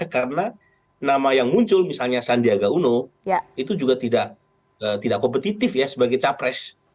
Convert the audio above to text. karena nama yang muncul misalnya sandiaga uno itu juga tidak kompetitif sebagai capres